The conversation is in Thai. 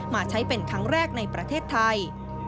มาใช้เป็นครั้งแรกในประเทศไทย